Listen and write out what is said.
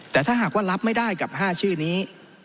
แต่ถ้าหากว่ารับไม่ได้กับ๕ชื่อนี้